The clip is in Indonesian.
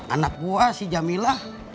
anak gue si jamilah